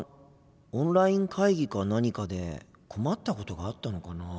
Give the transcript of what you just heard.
オンライン会議か何かで困ったことがあったのかなあ？